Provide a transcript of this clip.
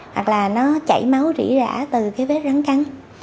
hoặc là nó chảy máu rỉ rã từ cái vết rắn cắn